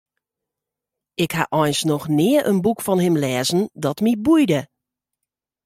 Ik ha eins noch nea in boek fan him lêzen dat my boeide.